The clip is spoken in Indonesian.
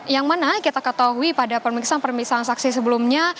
yang mana kita ketahui pada pemeriksaan pemeriksaan saksi sebelumnya